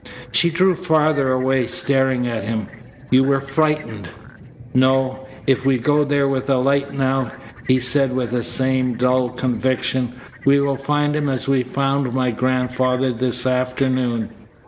She drew farther away, staring at him. "You were frightened " "No. If we go there with a light now," he said with the same dull conviction, "we will find him as we found my grandfather this afternoon."